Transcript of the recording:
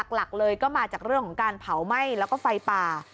หลักเลยก็มาจากเรื่องของการเผาไหม้แล้วก็ไฟป่า